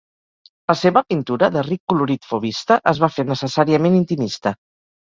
La seva pintura de ric colorit fauvista es va fer necessàriament intimista.